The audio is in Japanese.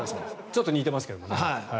ちょっと似てますけどね。